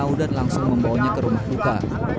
korban terjatuh langsung membawanya ke rumah duka